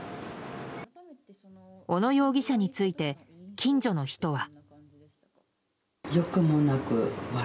小野容疑者について近所の人は。